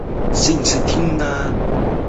父亲涂秉彰。